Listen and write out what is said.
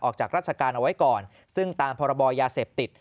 ออกจากราชการเอาไว้ก่อนซึ่งตามพรบยาเสพติด